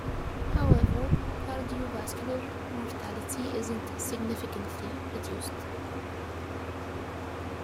However, cardiovascular mortality is not significantly reduced.